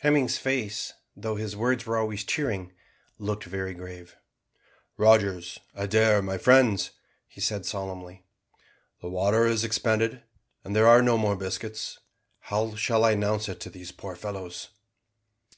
Hemming's face, though his words were always cheering, looked very grave. "Rogers, Adair, my friends," he said solemnly, "the water is expended, and there are no more biscuits how shall I announce it to these poor fellows?"